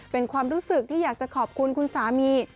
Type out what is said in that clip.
เป็นความรู้สึกที่อยากจะขอบคุณคุณสามี